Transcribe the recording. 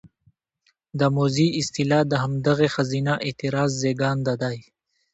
د موذي اصطلاح د همدغې ښځينه اعتراض زېږنده دى: